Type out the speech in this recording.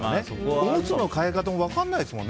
おむつの替え方も分からないですもんね。